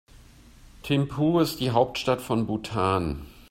Thimphu ist die Hauptstadt von Bhutan.